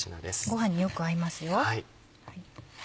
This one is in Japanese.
ご飯によく合いますよ。